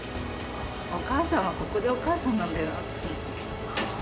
お母さんはここでお母さんなんだよって。